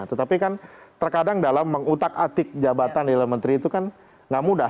tetapi kan terkadang dalam mengutak atik jabatan ilmu menteri itu kan gak mudah